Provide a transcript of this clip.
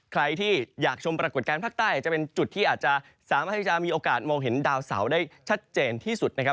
ใครที่อยากชมปรากฏการณ์ภาคใต้จะเป็นจุดที่อาจจะสามารถที่จะมีโอกาสมองเห็นดาวเสาได้ชัดเจนที่สุดนะครับ